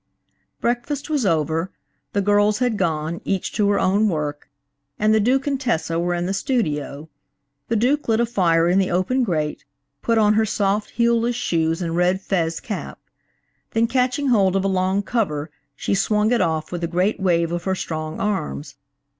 Breakfast was over; the girls had gone, each to her own work, and the Duke and Tessa were in the studio. The Duke lit a fire in the open grate, put on her soft, heelless shoes and red fez cap. Then catching hold of a long cover she swung it off with a great wave of her strong arms.